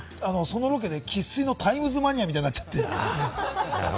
僕そのロケで生粋のタイムズマニアみたいになっちゃって。